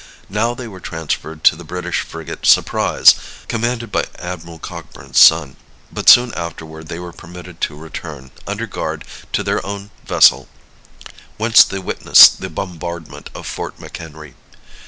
Now they were transferred to the British frigate Surprise, commanded by Admiral Cockburn's son, but soon afterward they were permitted to return, under guard, to their own vessel, whence they witnessed the bombardment of Fort McHenry.